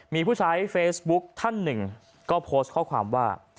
มีผู้ใช้เฟซบุ๊กท่านหนึ่งก็โพสต์ข้อความว่า